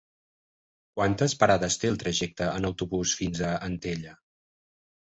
Quantes parades té el trajecte en autobús fins a Antella?